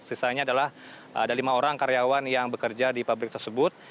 sisanya adalah ada lima orang karyawan yang bekerja di pabrik tersebut